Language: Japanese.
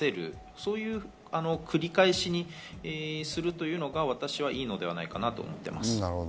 それの繰り返しにするというのが私はいいのではないかなと思います。